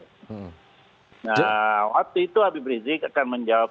nah waktu itu habib rizik akan menjawab